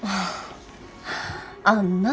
あんなぁ